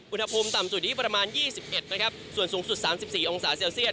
อุณหภูมิต่ำสุดอยู่ที่ประมาณยี่สิบเอ็ดนะครับส่วนสูงสุดสามสิบสี่องศาเซลเซียต